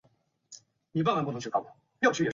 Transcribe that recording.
看不到目标与方向